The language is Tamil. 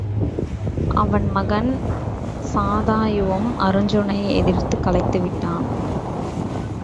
அவன் மகன் சதாயுவும் அருச்சுனனை எதிர்த்துக் களைத்துவிட்டான்.